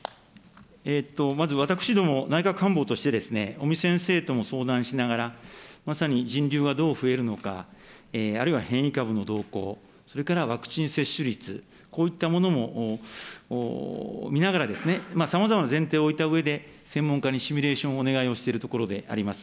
まず、私ども、内閣官房として、尾身先生とも相談しながら、まさに人流はどう増えるのか、あるいは変異株の動向、それからワクチン接種率、こういったものも見ながら、さまざまな前提を置いたうえで、専門家にシミュレーションをお願いをしているところであります。